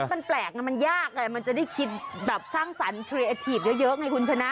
มันแปลกนะมันยากไงมันจะได้คิดแบบสร้างสรรค์เทรทีฟเยอะไงคุณชนะ